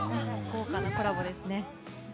豪華なコラボですね。